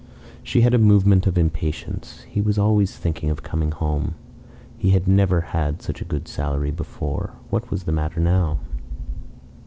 ..." She had a movement of impatience. He was always thinking of coming home. He had never had such a good salary before. What was the matter now?